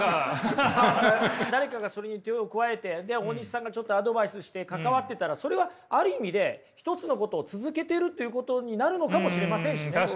誰かがそれに手を加えて大西さんがちょっとアドバイスして関わってたらそれはある意味で一つのことを続けてるっていうことになるのかもしれませんしね。